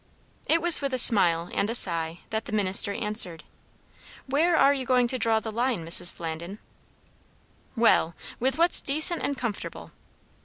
It was with a smile and a sigh that the minister answered. "Where are you going to draw the line, Mrs. Flandin?" "Well! with what's decent and comfortable."